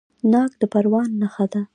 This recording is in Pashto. ناک د پروان نښه ده.